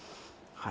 はい。